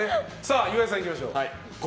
岩井さん、いきましょう。